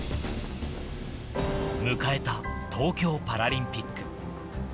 迎えた東京パラリンピック。